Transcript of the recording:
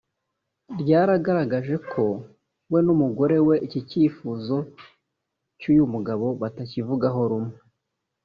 ryagaragaje ko we n’umugore we iki cyifuzo cy’uyu mugabo batakivugaho rumwe